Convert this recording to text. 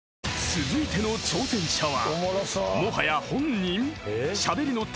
［続いての挑戦者は］